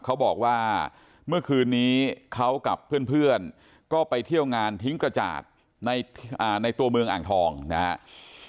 เขาบอกว่าเมื่อคืนนี้เขากับเพื่อนก็ไปเที่ยวงานทิ้งกระจาดในตัวเมืองอ่างทองนะครับ